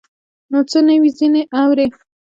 نه څه نوي ځینې اورې